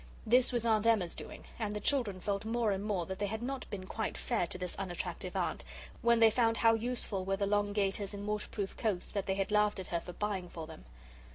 This was Aunt Emma's doing, and the children felt more and more that they had not been quite fair to this unattractive aunt, when they found how useful were the long gaiters and waterproof coats that they had laughed at her for buying for them.